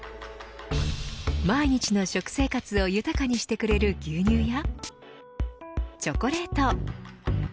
毎日の食生活を豊かにしてくれる牛乳やチョコレート。